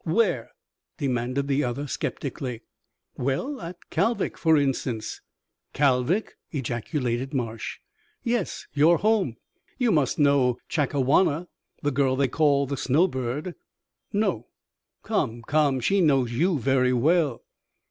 "Where?" demanded the other, sceptically. "Well, at Kalvik, for instance," "Kalvik!" ejaculated Marsh. "Yes; your home. You must know Chakawana, the girl they call 'The Snowbird'?" "No." "Come, come! She knows you very well."